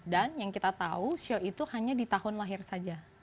dan yang kita tahu shionya itu hanya di tahun lahir saja